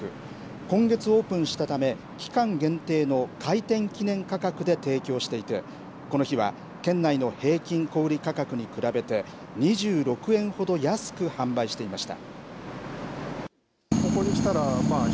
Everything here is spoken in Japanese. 今月オープンしたため、期間限定の開店記念価格で提供していて、この日は県内の平均小売り価格に比べて２６円ほど安く販売していました。